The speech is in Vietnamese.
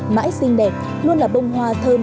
mãi xinh đẹp luôn là bông hoa thơm